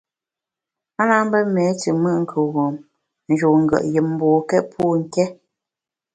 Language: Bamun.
A mbe méé te mùt kuwuom, n’ njun ngùet yùm mbokét pô nké.